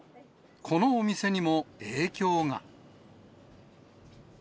このお店にも影響が。